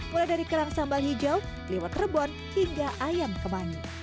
mulai dari kerang sambal hijau liwet rebon hingga ayam kemangi